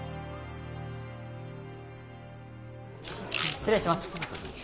失礼します。